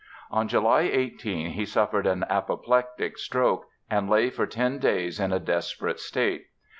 On July 18 he suffered an apoplectic stroke and lay for ten days in a desperate state.